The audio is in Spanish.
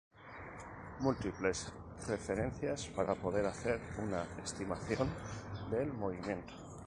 Múltiples referencias para poder hacer una estimación del movimiento.